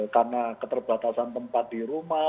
karena keterbatasan tempat di rumah